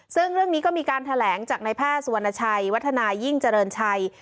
ซึ่งเรื่องนี้ก็มีการแถลงจากในแพทย์สุวรรณชัยวัฒนายิ่งเจริญชัย